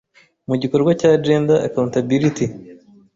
Mu gikorwa cya Gender accountability